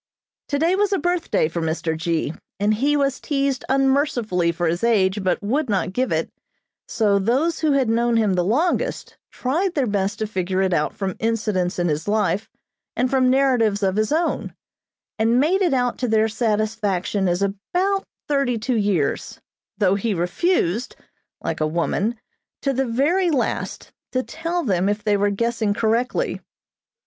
Today was a birthday for Mr. G., and he was teased unmercifully for his age, but would not give it, so those who had known him the longest tried their best to figure it out from incidents in his life and from narratives of his own, and made it out to their satisfaction as about thirty two years, though he refused (like a woman) to the very last, to tell them if they were guessing correctly.